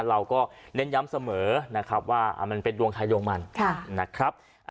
เราก็เน้นย้ำเสมอนะครับว่ามันเป็นดวงใครดวงมันนะครับ